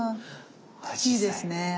あいいですね。